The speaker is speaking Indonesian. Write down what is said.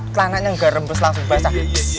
kelanannya nggak rempes langsung basah